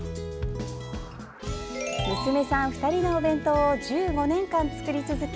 娘さん２人のお弁当を１５年間、作り続け